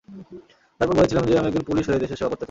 তারপর, বলেছিলাম যে আমি একজন পুলিশ হয়ে দেশের সেবা করতে চাই।